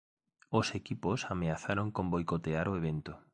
Os equipos ameazaron con boicotear o evento.